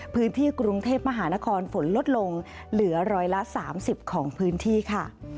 พื้นที่กรุงเทพมหานครฝนลดลงเหลือร้อยละ๓๐ของพื้นที่ค่ะ